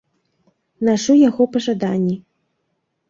Нашу яго па жаданні.